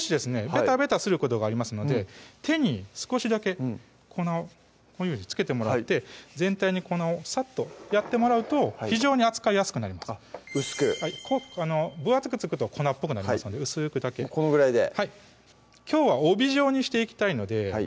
ベタベタすることがありますので手に少しだけ粉をこういうふうに付けてもらって全体に粉をサッとやってもらうと非常に扱いやすくなります薄く分厚く付くと粉っぽくなりますので薄くだけこのぐらいではいきょうは帯状にしていきたいのでは